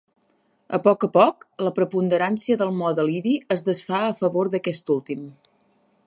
A poc a poc, la preponderància del mode lidi es desfà a favor d'aquest últim.